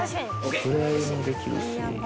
触れ合いもできるし。